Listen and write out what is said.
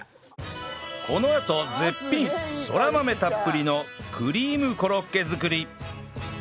このあと絶品そら豆たっぷりのクリームコロッケ作り